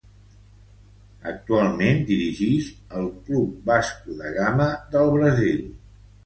Actualment dirigix el club Vasco da Gama del Brasil.